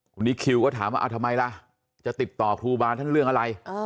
วันนี้คิวก็ถามว่าทำไมล่ะจะติดต่อครูบาท่านเรื่องอะไร